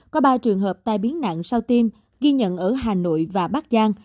có ba trường hợp tai biến nặng sau tiêm ghi nhận ở hà nội và bắc giang